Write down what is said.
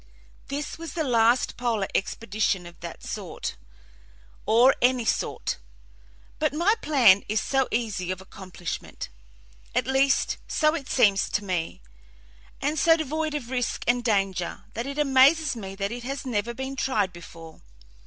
This was the last polar expedition of that sort, or any sort; but my plan is so easy of accomplishment at least, so it seems to me and so devoid of risk and danger, that it amazes me that it has never been tried before.